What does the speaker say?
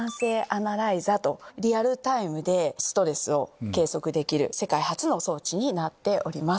リアルタイムでストレスを計測できる世界初の装置になっております。